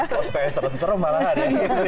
oh sepenyat serem serem malah ada ini